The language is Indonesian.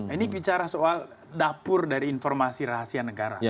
ini bicara soal dapur dari informasi rahasia negara